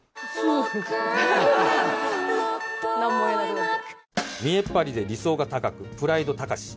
何も言えなくなって。